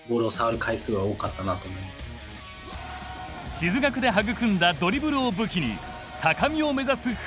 静学で育んだドリブルを武器に高みを目指す古川。